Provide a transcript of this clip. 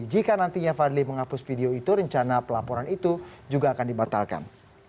jika nantinya fadli menghapus video itu rencana pelaporan itu juga akan dibatalkan